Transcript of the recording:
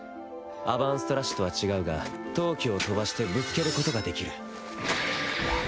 アバンストラッシュとは違うが闘気を飛ばしてぶつけることができる。